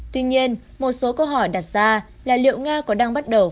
tuy nhiên một số câu hỏi đặt ra là liệu nga có đang bắt đầu